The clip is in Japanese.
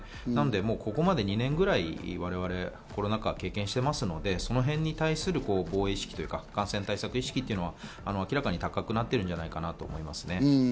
なので、ここまで２年ぐらいは我々コロナ禍を経験していますので、そのへんに対する防衛意識というか、感染対策意識というのは明らかに高くなっているんじゃないかと思います。